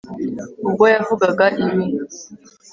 ubwo yavugaga ibi,